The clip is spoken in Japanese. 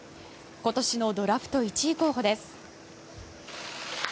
今年のドラフト１位候補です。